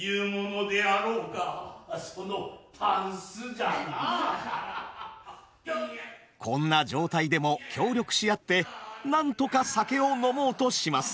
これがあのこんな状態でも協力し合ってなんとか酒を飲もうとします。